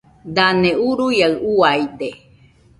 Dane uruaiaɨ uaide.